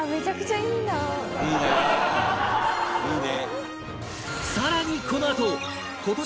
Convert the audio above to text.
いいね。